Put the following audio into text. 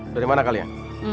dari mana kalian